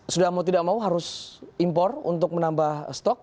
sudah mau tidak mau harus impor untuk menambah stok